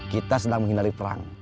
kita sedang menghindari perang